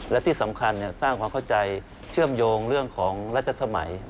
และที่สำคัญสร้างความเข้าใจเชื่อมโยงเรื่องของรัชสมัย